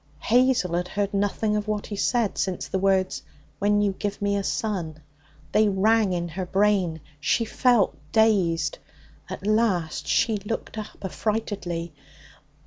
Hazel had heard nothing of what he said since the words, 'when you give me a son.' They rang in her brain. She felt dazed. At last she looked up affrightedly.